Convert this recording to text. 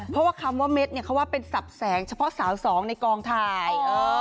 เพราะว่าคำว่าเม็ดเนี่ยเขาว่าเป็นสับแสงเฉพาะสาวสองในกองถ่าย